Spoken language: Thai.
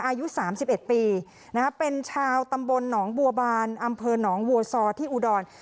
อายุสามสิบเอ็ดปีนะคะเป็นชาวตำบลหนองบัวบานอำเภอหนองวัวซอร์ที่อูดอน